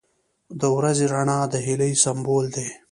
• د ورځې رڼا د هیلې سمبول دی.